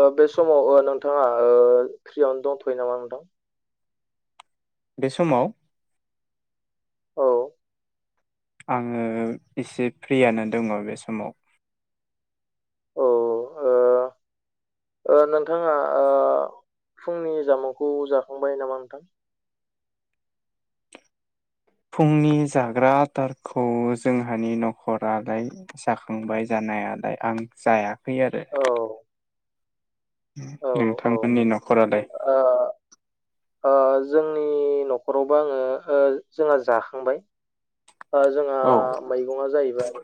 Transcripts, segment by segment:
ओ बे समाव नोंथाङा ओ फ्रियावनो दंथ'यो नामा नोंथां? बे समाव औ आङो इसे फ्रियानो दङ बे समाव। औ ओ ओ नोंथाङा ओ फुंनि जामुंखौ जाखांबाय नामा नोंथां? फुंनि जाग्रा आदारखौ जोंहानि नख'रालाय जाखांबाय जानायालाय आं जायाखै आरो। औ औ औ नोंथांमोननि न'खरालाय? ओ ओ जोंनि न'खरावबो आङो ओ जोंहा जाखांबाय। ओ जोंहा औ मैगंआ जाहैबाय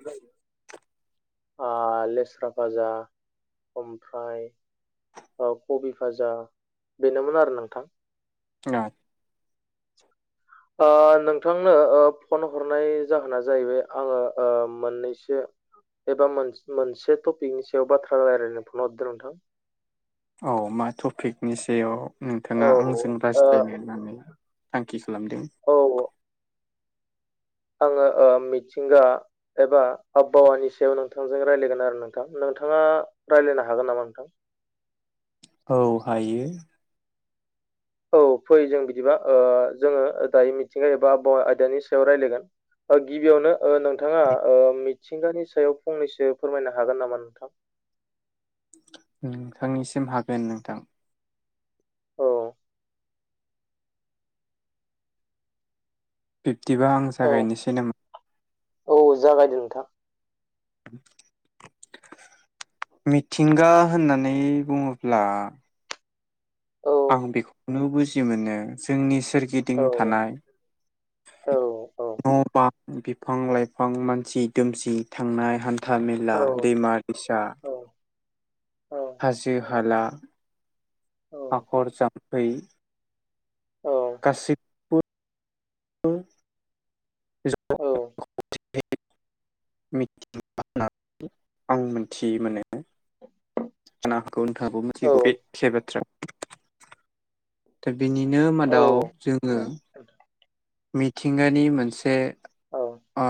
ओ लेस्रा भाजा ओमफ्राय ओ कबि भाजा बेनोमोन आरो नोंथां। [unintelligible] ओ नोंथांनो ओ फन हरनाय जाहोना जाहैबाय आङो ओ मोननैसो एबा मोन-मोनसे टपिकनि सायाव बाथ्रा रायलायनो फन हरदो नोंथां। औ मा टपिकनि सायाव औ नोंथाङा आंजों औ। रायज्लायनो होननानै थांखि खालामदों? औ [unintelligible] आङो ओ मिथिंगा एबा आबहावानि सायाव नोंथांजों रायज्लायगोन आरो नोंथां। नोंथाङा रायलायनो हागोन नामा नोंथां? औ हायो। औ फै जों बिदिबा ओ जोङो दायो मिथिंगा एबा आब'हावा आयदानि सायाव रायलायगोन। ओ गिबियावनो ओ नोंथाङा मिथिंगानि सायाव फंनैसो फोरमायनो हागोन नामा नोंथां? नोंथांनिसिम हागोन नोंथां। औ बिब्दिबा आं औ जागायनोसै नामा? औ जागायदो नोंथां। मिथिंगा होननानै बुङोब्ला औ आं बेखौनो बुजि मोनो जोंनि सोरगिदिं औ थानाय औ न' बां बिफां लाइफां मानसि दोमसि थांनाय हान था मेला औ दैमा दैसा औ हाजो हाला, औ हाखर जाम्फै औ। गासै औ [unintelligible] आं मोनथि मोनो। [unintelligible] नोंथाङाबो औ मिथिगौ बे [unintelligible] बाथ्रा दा बिनिनो औ मादाव औ जोङो मिथिंगानि मोनसे औ ओ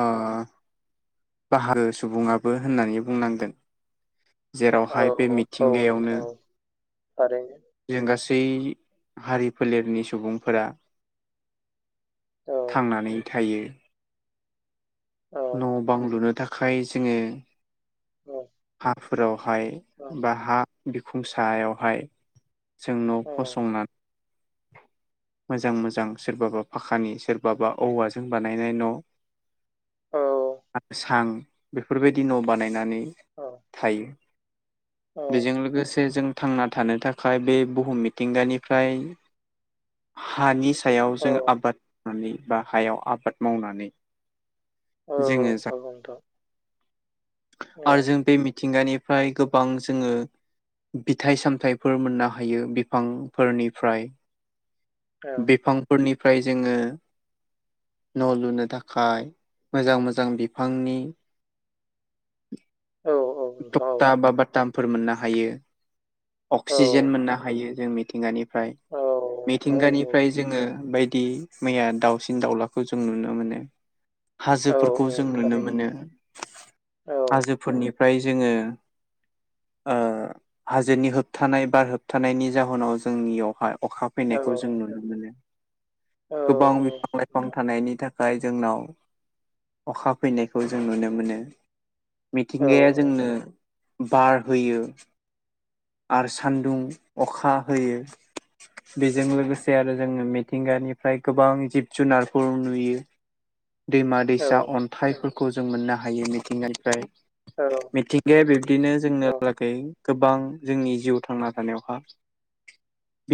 बाहागो सुबुङाबो होननानै बुंनांगोन। औ जेरावहाय बे औ मिथिंगायावनो नोंथां औ थारैनो जों गासै हारि फोलेरनि सुबुंफोरा औ थांनानै थायो। औ न' बां लुनो थाखाय जोङो औ हाफोरावहाय औ बा हा बिखुं सायावहाय जों न' फसंना मोजां मोजां सोरबाबा फाखानि सोरबाबा औवाजों बानायनाय न' औ आरो सां बेफोरबायदि न' बानायनानै औ थायो बेजों लोगोस [unintelligible] जों थांना थानो थाखाय बे बुहुम मिथिंगानिफ्राय हानि सायाव औ जों आबाद मावनानै बा हायाव आबाद मावनानै औ जोंङो औ जा नोंथां औ आरो जों बे मिथिंगानिफ्राय गोबां जोङो बिथाइ सामथाइफोर मोननो हायो बिफांफोरनिफ्राय। औ बिफांफोरनिफ्राय जोङो न' लुनो थाखाय मोजां मोजां बिफांनि टक्टा बा बाटामफोर मोननो हायो। अक्सिजेन मोननो हायो जों मिथिंगानिफ्राय। औ मिथिंगानिफ्राय जोङो बायदि मैया दाउसिन दाउलाखौ जों नुनो मोनो औ हाजोफोरखौ औ जों नुनो थारैनो मोनो। औ हाजोफोरनि फ्राय जोङो ओ जोनि होबथानाय बार होबथानायनि जाहोनाव जोंनियावहाय अखा औ फैनायखौ जों नुनो मोनो। औ गोबां औ बिफां लाइफां नोंथां थानायनि था खाय जोंनाव अखा फैनायखौ जों नुनो मोनो। औ मिथिंगाया जोंनो बार होयो। आरो सान्दुं अखा होयो। बेजों लोगोसे आरो जोङो मिथिंगानिफ्राय गोबां जिब जुनारफोर नुयो। दैमा औ दैसा औ अन्थाइफोरखौ जों मोननो हायो मिथिंगानिफ्राय। औ मिथिं गाया बिब्दिनो औ जोंनो लागै गोबां जोंनि जिउ थांना थानायावहा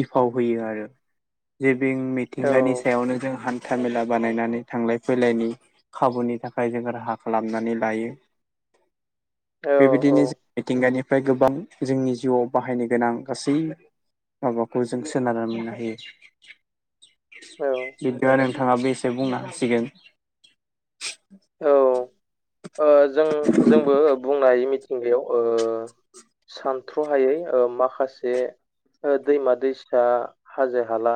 बिफाव होयो आरो। जे बिं मिथिंगानि सायावनो जों हान हान्थामेला बानायनानै थांलाय फैलायनि खाबुनि थाखाय जों राहा खालामनानै लायो। बेबायदिनो जों मिथिंगानिफ्राय गोबां जोंनि जिउआव बाहायनो गोनां गासै माबाखौ जों सोनारनानै नायो। औ बिदा नोंथाङाबो एसे बुंनो हासिगोन। औ औ ओ जों जोंबो बुंनो हायो मिथिंगायाव ओ सानथ्र'हायै ओ माखासे ओ दैमा दैसा हाजो हाला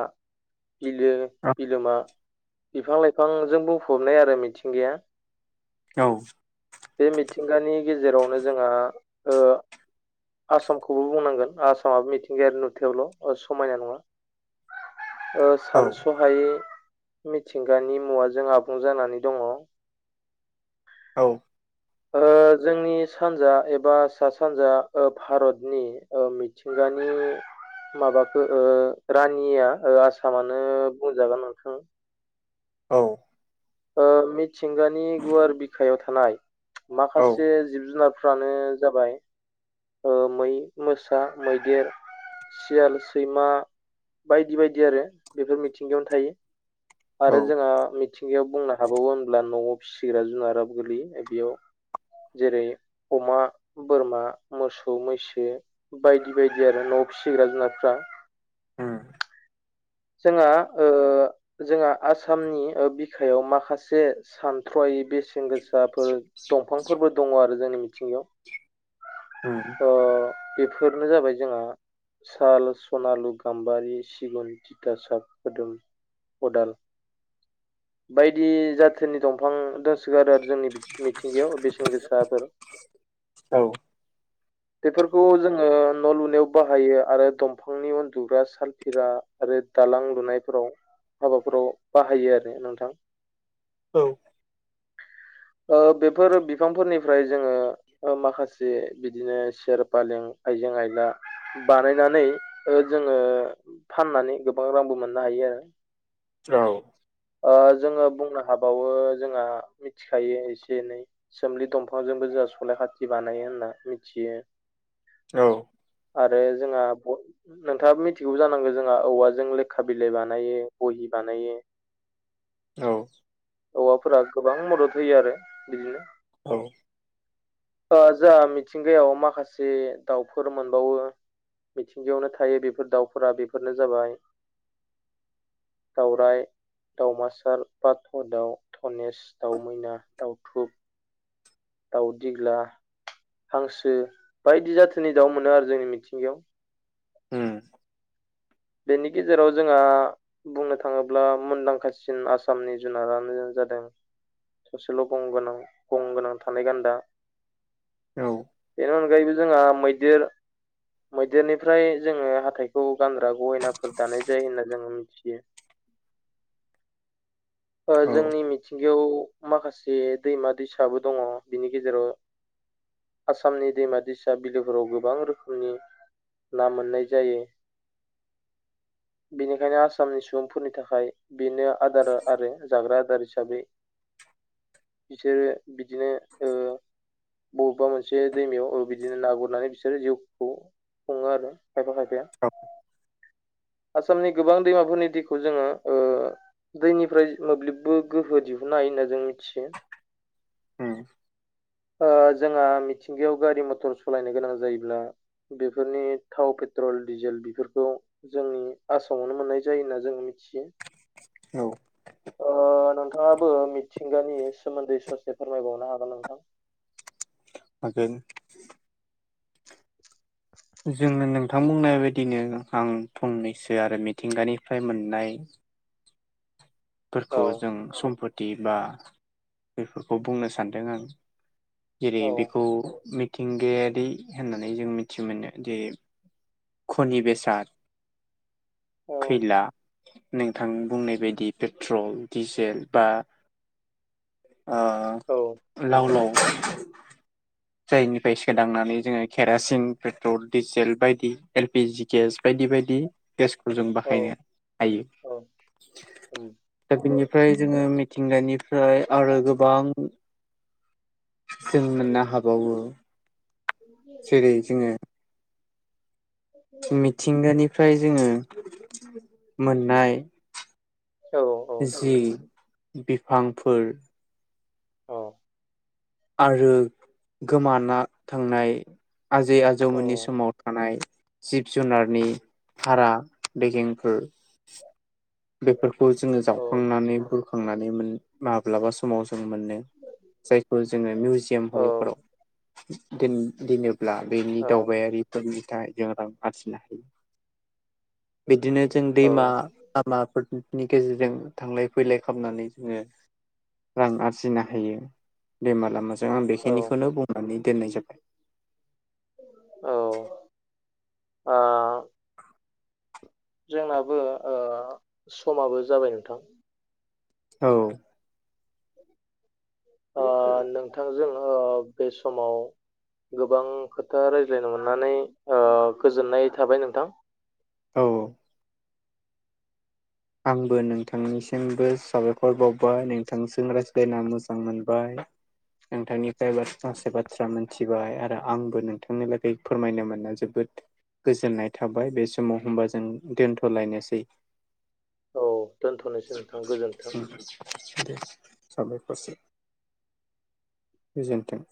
बिलो औ बिलोमा बिफां लाइफांजों बुंफबनाय आरो मिथिंगाया। औ। बे मिथिंगानि गेजेरावनो जोंहा ओ आसामखौबो बुंनांगोन आसामाबो मिथिंगायारि नुथायावल' ओ समायना नङा। ओ सानस'हायै मिथिंगानि मुवाजों आबुं जानानै दङ। औ। ओ जोंनि सानजा एबा सा सानजा ओ भारतनि ओ मिथिंगानि माबफोर ओ रानिया ओ आसामानो बुंजागोन नोंथां। औ ओ मिथिंगानि गुवार बिखायाव थानाय औ माखासे जिब जुनार फ्रानो जाबाय ओ मै मोसा मैदेर। सियाल सैमा बायदि बायदि आरो बेफोर मिथिंगायावनो थायो। औ आरो जोंहा मिथि थिंगायाव बुंनो हाबावो होनब्ला न'आव फिसिग्रा जुनाराबो गोगलैयो बेयाव जेरै अमा बोरमा मोसौ मैसो बायदि बायदि आरो न' फिसिग्रा जुनारफ्रा उम। जोंहा ओ जोंहा आसामनि ओ बिखायाव माखासे सानथ्रयै बेस सेनगोसाफोर दंफांफोरबो दङ आरो जोंनि मिथिंगायाव। उम। ओ बेफोरनो जाबाय जोंहा साल सनालु गाम्बारि सिगुन थ तिथासाब खोदोम खदाल बायदि जाथोननि दंफां दोंसोगारो आरो जोंनि मिथिंगायाव बे सेनगोसा फोर [unintelligible] बेफोरखौ जोङो न' लुनायाव बाहायो आरो दंफांनि उन्दुग्रा सालफिरा आरो दालां लुनायफोराव हाबाफोराव बाहायो आरो नोंथां। औ। ओ बेफोर बिफांफोरनिफ्राय जोङो ओ माखासे बिदिनो सेयार पालें आइजें आयला ओ बानायनानै जोङो फाननानै गोबां रांबो मोननो हायो आरो। औ। ओ जोङो बुंनो हाबावो जोंहा मिथिखायो एसे एनै सोमलि दंफांजोंबो जोंहा सलाय खाथि बानायो होनना मिथियो। औ। आरो जोंहा नोंथाङाबा मिथिगौ जानांगौ जोंहा औवाजों लेखा बिलाइ बानायो बहि बानायो। औ। औवाफोरा गोबां मदद होयो आरो बिदिनो औ। ओ जाहा मिथिंगायाव माखासे दाउफोर मोनबावो। मिथिंगायावनो थायो बेफोर दाउफोरा बेफोरनो जाबाय दावराय। दावमासार बााथ' दाव धनेश दावमैना दाउथुब। दाउदिग्ला हांसो बायदि जाथोनि दाउ मोनो आरो जोंनि मिथिंगायाव उम। बेनि गेजेराव जोंहा बुंनो थाङोब्ला मुंदांखासिन आसामनि जुनारानो जादों थसेल' गगोनां गं गोनां थानाय गान्दा औ। बेनि अनगायैबो जोंहा मैदेर मैदेरनिफ्राय जोङो हाथाइखौ गानग्रा गहेनाफोर दानाय जायो होनना जोङो मिथियो। ओ औ जोंनि मिथिंगायाव माखासे दैमा दैसाबो दङ बिनि गेजेराव आसामनि दैमा दैसा बिलोफोराव गोबां रोखोमनि ना मोननाय जायो। बेनिखायनो आसामनि सुबुंफोरनि थाखाय बेनो आदार आरो जाग्रा आदार हिसाबै बिसोरो बिदिनो ओ बबेबा मोनसे दैमायाव ओ बिदिनो ना गुरनानै बिसोरो जिउखौ खङो आरो खायफा खायफाया [unintelligible] आसामनि गोबां दैमाफोरनि दैखौ जोङो ओ दैनि मफ्राय मोब्लिबबो गोहो दिहुननो हायो होन्ना जों मिथियो उम ओ जोंहा मिथिंगायाव गारि मथर सालायनो गोनां जायोब्ला बेफोरनि थाव पेट्रल डिजेल बेफोरखौ जोंनि आसामावनो मोननाय जायो होन्ना जोङो मिथियो औ। ओ नोंथाङाबो मिथिंगानि सोमोन्दै ससे फोरमायबावनो हागोन नोंथां जों [unintelligible] जोङो नोंथां बुंनाय बायदिनो आं फंनैसो आरो मिथिंगानिफ्राय मोननाय फोरखौ औ जों सम्पति बा बेफोरखौ बुंनो सानदों आं जेरै औ बेखौ मिथिंगायारि होननानै जों मिथि मोनो जे खनि बेसाद, औ खैला नोंथां बुंनाय बायदि पेट्रल डिजेल बा ओ लाव औ लाव जायनिफ्राय सोदांनानै जोङो केरासिन पेट्रल डिजेल बायदि एलपि जि गेस बायदि बायदि गेसखौ जों औ बाहायनो हायो औ उम दा औ बेनिफ्राय जोङो थिंगानिफ्राय आरो गोबां जों मोननो हाबावो बि [unintelligible] जेरै जोङो उ [unintelligible] मिथिंगानिफ्राय जोङो मोननाय औ जि नोंथां बिफांफोर औ आरो गोमाना थांनाय आजै औ आजौमोननि समाव थानाय जिब जुनारनि भारा दैगेंफोर बेफोरखौ जोङो औ जावखांनानै बुरखांनानै मोन माब्लाबा समाव जों मोनो जायखौ जोङो मिउजियाम हलफोराव दोन दोनोब्ला बेनि औ दावबायारिफोरनि थाखाय जों रां आरजिनो हायो बिदिनो जों दैमा लामाफोरनि गेजेरजों थांलाय फैलाय खामनानै जोङो रां आरजिनो हायो बेमाला मोजां आं औ बेखिनिखौनो बुंनानै दोननाय जाबाय। औ आ जोंनाबो ओ स'माबो जाबाय नोंथां। औ। ओ नोंथांजों ओ बे समाव गोबां खोथा रायज्लायनो मोननानै ओ गोजोननाय थाबाय नोंथां औ। आंबो नोंथांनिसिमबो साबायखर बावबाय नोंथांजों रायज्लायना मोजां मोनबाय नोंथांनिफ्रायबो माखासे बाथ्रा मोनथिबाय आरो आंबो नोंथांनि लागै फोरमायनो मोना जोबोद गोजोननाय थाबाय बे समाव होमबा जों दोनथ'लायनोसै औ दोनथ'नोसै नोंथां गोजोन्थों। साबायखारसे गोजोनथों।